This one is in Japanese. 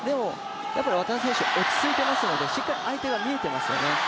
渡辺選手、落ち着いてますのでしっかり相手が見えてますよね。